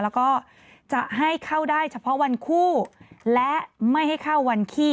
แล้วก็จะให้เข้าได้เฉพาะวันคู่และไม่ให้เข้าวันขี้